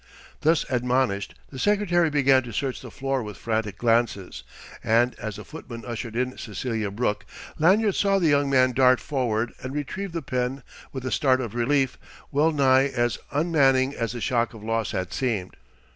Thus admonished, the secretary began to search the floor with frantic glances, and as the footman ushered in Cecelia Brooke, Lanyard saw the young man dart forward and retrieve the pen with a start of relief wellnigh as unmanning as the shock of loss had seemed.